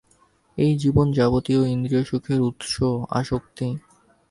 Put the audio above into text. এই জীবনে যাবতীয় ইন্দ্রিয়-সুখের উৎস আসক্তি।